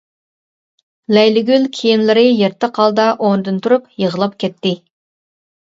لەيلىگۈل كىيىملىرى يىرتىق ھالدا ئورنىدىن تۇرۇپ يىغلاپ كەتتى.